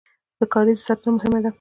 د کاریزونو ساتنه مهمه ده